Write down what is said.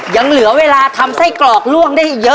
ยังเหลือเวลาทำไส้กรอกล่วงได้เยอะ